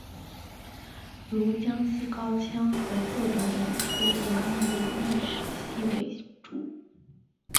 如江西高腔的各种演出仍以演历史戏为主。